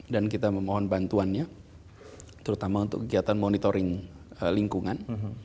dan kita memohon bantuannya terutama untuk kegiatan monitoring lingkungan